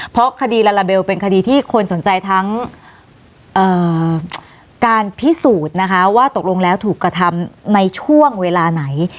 เพราะคดีลาลาเบลเป็นคดีที่คนสนใจทั้งการพิสูจน์นะคะว่าตกลงแล้วถูกกระทำในช่วงเวลาไหน